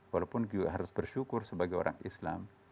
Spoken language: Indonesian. walaupun juga harus bersyukur sebagai orang islam